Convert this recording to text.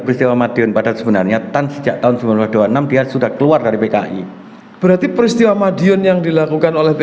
peristiwa madiun pada sebenarnya tan sejak tahun sembilan puluh enam dia sudah keluar dari pki berarti peristiwa madiun